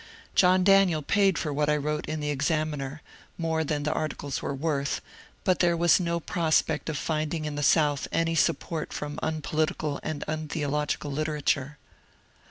John Daniel paid for what I wrote in the ^^ Ex aminer/'— more than the articles were worth, — but there was no prospect of finding in the South any support from unpolitical and untheological literature.